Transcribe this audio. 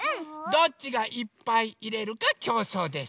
どっちがいっぱいいれるかきょうそうです。